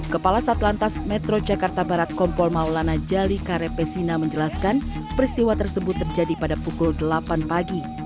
kepala satlantas metro jakarta barat kompol maulana jali karepesina menjelaskan peristiwa tersebut terjadi pada pukul delapan pagi